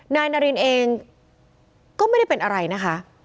นายนารินเองก็ไม่ได้เป็นอะไรนะคะ